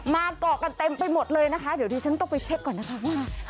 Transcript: มาเกาะกันเต็มไปหมดเลยนะคะเดี๋ยวดิฉันต้องไปเช็คก่อนนะคะว่า